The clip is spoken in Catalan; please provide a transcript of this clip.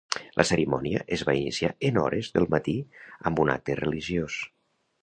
La cerimònia es va iniciar en hores del matí amb un acte religiós.